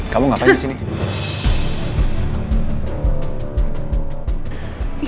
kamu ngapain di sini